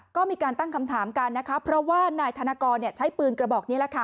ก็มีการตั้งคำถามกันนะคะเพราะว่านายธนกรใช้ปืนกระบอกนี้แหละค่ะ